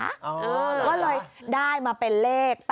ก็เลยได้มาเป็นเลข๘